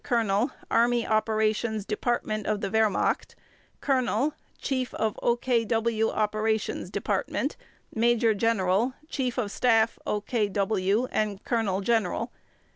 Colonel, Army Operations Department of the Wehrmacht, Colonel, Chief of OKW Operations Department, Major General, Chief of Staff OKW and Colonel General.